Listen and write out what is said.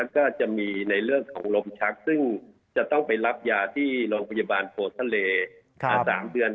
คนที่๔อยู่สุทธิพย์คนที่๔อยู่สุทธิพย์